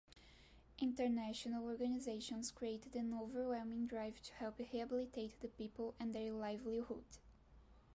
International organizations created an overwhelming drive to help rehabilitate the people and their livelihood.